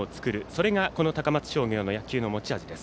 それが高松商業の野球の持ち味。